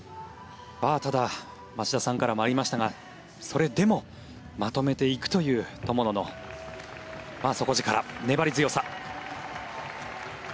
ただ、町田さんからもありましたがそれでもまとめていくという友野の底力、粘り強さ。